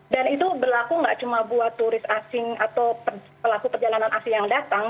dan itu berlaku nggak cuma buat turis asing atau pelaku perjalanan asing yang datang